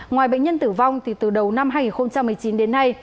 ngoài bệnh nhân tử vong thì từ đầu năm hai nghìn một mươi chín đến nay